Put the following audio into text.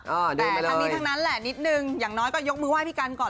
แต่ทั้งนี้ทั้งนั้นแหละนิดนึงอย่างน้อยก็ยกมือไห้พี่กันก่อน